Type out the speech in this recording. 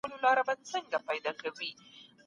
په سختو شیبو کي زړور اوسئ.